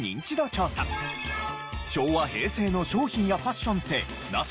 昭和・平成の商品やファッションってナシ？